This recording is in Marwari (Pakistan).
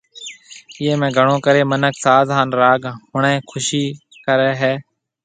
ايئي ۾ گھڻو ڪري منک ساز هان راگ ۿڻي خوش هوئي هي